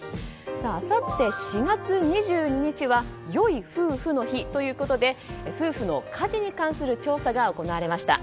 あさって４月２２日は良い夫婦の日ということで夫婦の家事に関する調査が行われました。